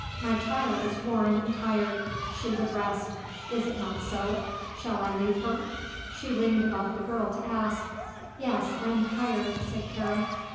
"My child is worn and tired. She would rest. Is it not so? Shall I leave her?" she leaned above the girl to ask. "Yes; I am tired," said Karen.